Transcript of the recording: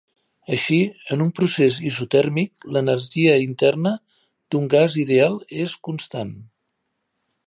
Així, en un procés isotèrmic l'energia interna d'un gas ideal és constant.